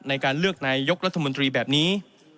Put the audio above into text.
ในการเลือกนายกรัฐมนตรีแบบนี้